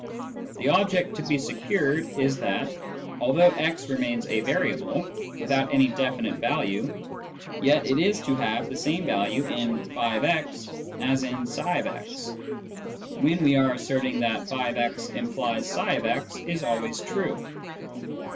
The object to be secured is that, although x remains a variable, without any definite value, yet it is to have the same value in " <f>x " as in " tfix " when we are asserting that " <f>x implies tfix " is always true.